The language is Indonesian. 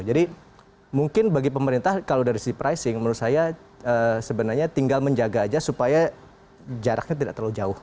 jadi mungkin bagi pemerintah kalau dari si pricing menurut saya sebenarnya tinggal menjaga aja supaya jaraknya tidak terlalu jauh